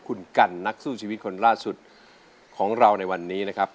คุณกันนักสู้ชีวิตคนล่าสุดของเราในวันนี้นะครับ